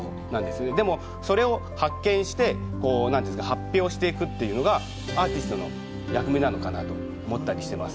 でもそれを発見してこう何て言うんですか発表していくっていうのがアーティストの役目なのかなと思ったりしてます。